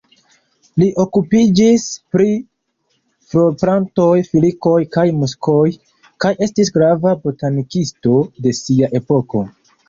Li okupiĝis pri florplantoj, filikoj kaj muskoj kaj estis grava botanikisto de sia epoko.